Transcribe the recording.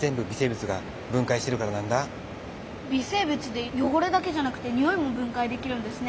微生物でよごれだけじゃなくてにおいも分解できるんですね？